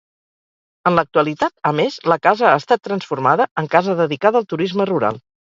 En l'actualitat, a més, la casa ha estat transformada en casa dedicada al turisme rural.